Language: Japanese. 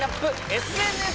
ＳＮＳ